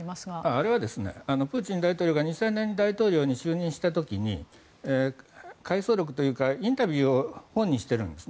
あれはプーチン大統領が２００年に大統領に就任した時に回想録というかインタビューを本にしているんです。